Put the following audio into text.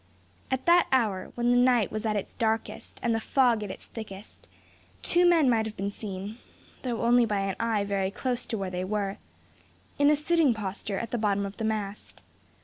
At that hour, when the night was at its darkest, and the fog at its thickest, two men might have been seen, though only by an eye very close to where they were, in a sitting posture at the bottom of the mast.